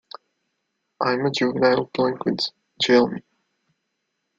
I'm a Juvenile Delinquent - Jail Me!